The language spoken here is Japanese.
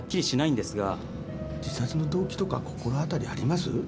自殺の動機とか心当たりあります？